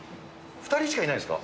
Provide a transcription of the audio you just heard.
２人しかいないんですか？